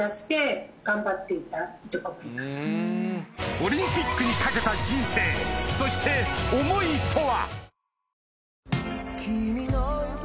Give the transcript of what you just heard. オリンピックに懸けた人生そして思いとは？